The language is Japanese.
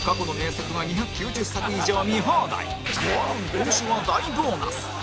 今週は大ボーナス